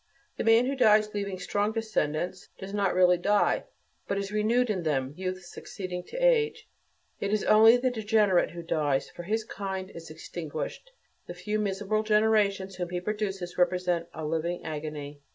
The man who dies leaving strong descendants, does not really die, but is renewed in them, youth succeeding to age. It is only the degenerate who dies, for his kind is "extinguished," the few miserable generations whom he produces represent a "living agony."